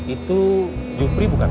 itu jepri bukan